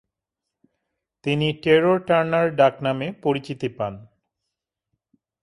তিনি ‘terror Turner’ ডাকনামে পরিচিতি পান।